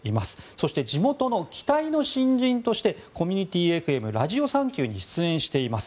そして、地元の期待の新人としてコミュニティーＦＭ「ラジオサンキュー」に出演しています。